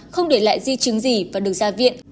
không để lại di chứng gì và được ra viện